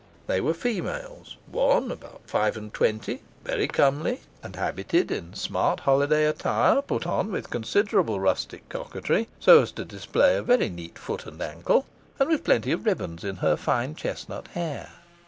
They were females, one about five and twenty, very comely, and habited in smart holiday attire, put on with considerable rustic coquetry, so as to display a very neat foot and ankle, and with plenty of ribands in her fine chestnut hair.